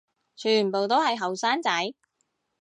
全部都係後生仔